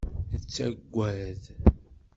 Nettagad.